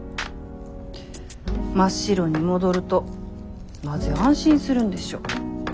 真っ白に戻るとなぜ安心するんでしょう。